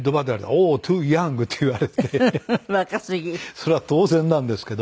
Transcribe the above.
それは当然なんですけど。